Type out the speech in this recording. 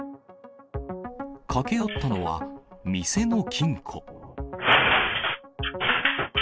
駆け寄ったのは、店の金庫。